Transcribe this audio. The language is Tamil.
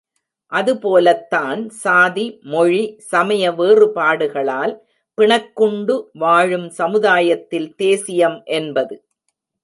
அதுபோலத்தான் சாதி, மொழி, சமய வேறுபாடுகளால் பிணக்குண்டு வாழும் சமுதாயத்தில் தேசியம் என்பது.